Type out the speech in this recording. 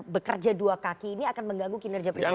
bekerja dua kaki ini akan mengganggu kinerja presiden